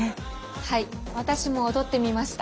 はい私も踊ってみました。